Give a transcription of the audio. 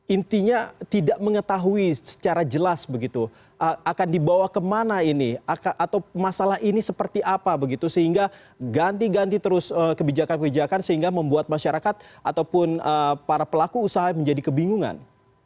intinya tidak mengetahui secara jelas begitu akan dibawa kemana ini atau masalah ini seperti apa begitu sehingga ganti ganti terus kebijakan kebijakan sehingga membuat masyarakat ataupun para pelaku usaha menjadi kebingungan